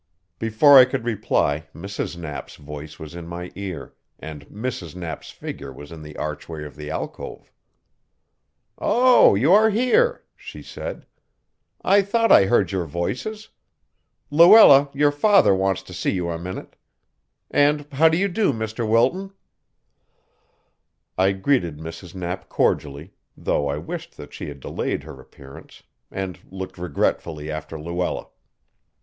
Before I could reply, Mrs. Knapp's voice was in my ear, and Mrs. Knapp's figure was in the archway of the alcove. "Oh, you are here," she said. "I thought I heard your voices. Luella, your father wants to see you a minute. And how do you do, Mr. Wilton?" I greeted Mrs. Knapp cordially, though I wished that she had delayed her appearance, and looked regretfully after Luella.